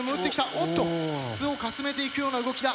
おっと筒をかすめていくような動きだ。